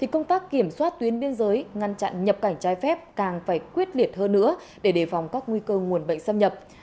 công tác kiểm soát tuyến biên giới ngăn chặn nhập cảnh trái phép càng phải quyết liệt hơn nữa để đề phòng các nguy cơ nguồn bệnh xâm nhập